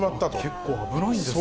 結構危ないんですね。